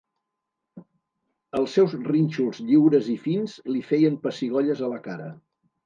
Els seus rínxols lliures i fins li feien pessigolles a la cara.